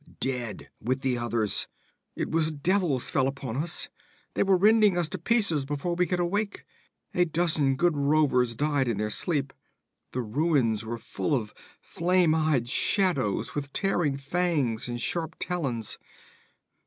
'Dead, with the others! It was devils fell upon us! They were rending us to pieces before we could awake a dozen good rovers died in their sleep. The ruins were full of flame eyed shadows, with tearing fangs and sharp talons.'